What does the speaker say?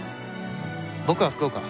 「僕は福岡。